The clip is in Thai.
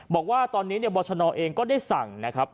บอกว่าตอนนี้บรชนเองก็ได้สั่งนะครับ